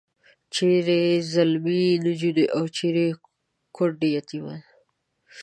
چیرې ځلمي نجونې او چیرې کونډې یتیمان.